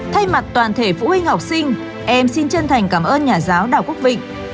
thay mặt toàn thể phụ huynh học sinh em xin chân thành cảm ơn nhà giáo đào quốc vịnh